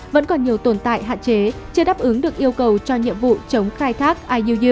vẫn còn nhiều tồn tại hạn chế chưa đáp ứng được yêu cầu cho nhiệm vụ chống khai thác iuu